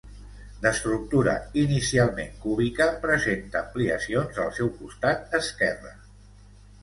D'estructura inicialment cúbica presenta ampliacions al seu costat esquerre.